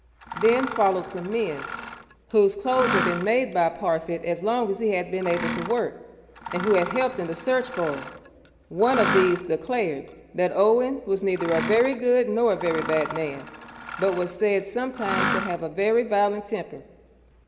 Then followed some men, whose clothes had been made by Parfitt as long as he had been able to work, and who had helped in the search for him. One of these declared that Owen was 'neither a very good nor a very bad man, but was said sometimes to have a very violent temper.'